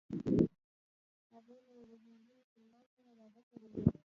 هغې له یوه هندي مسلمان سره واده کړی و.